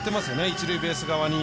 一塁ベース側に。